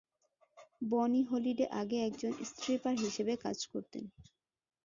বনি হলিডে আগে একজন স্ট্রিপার হিসেবে কাজ করতেন।